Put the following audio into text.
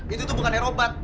itu tuh bukan erobat